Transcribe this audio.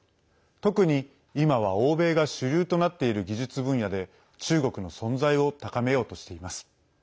特に、今は欧米が主流となっている技術分野で中国の存在を高めようとしています。